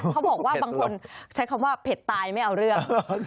เขาบอกว่าบางคนใช้คำว่าเผ็ดตายไม่เอาเรื่อง